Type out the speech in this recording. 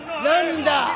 何だ。